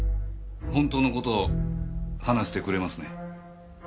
本当の事を話してくれますね。